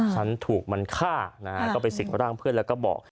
ฉันถูกมันฆ่าก็ไปสิ่งกับด้านเพื่อนแล้วก็บอก